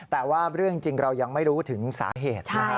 ด้วยความเคารพนะคุณผู้ชมในโลกโซเชียล